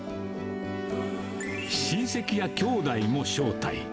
親戚やきょうだいも招待。